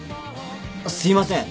すいません。